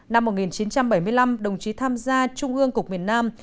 năm một nghìn chín trăm bảy mươi năm đồng chí tham gia trung ương cục miền nam